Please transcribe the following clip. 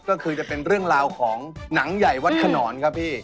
ก็คือจะเป็นเรื่องราวของหนังใหญ่วัดขนอนครับพี่